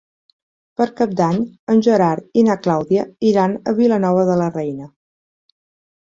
Per Cap d'Any en Gerard i na Clàudia iran a Vilanova de la Reina.